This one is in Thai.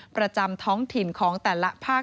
ประจำท้องถิ่นของแต่ละภาค